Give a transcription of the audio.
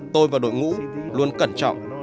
tôi và đội ngũ luôn cẩn trọng